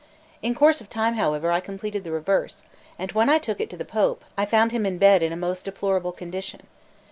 In course of time, however, I completed the reverse; and when I took it to the Pope, I found him in bed in a most deplorable condition.